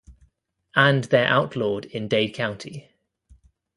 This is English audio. And they're outlawed in Dade County.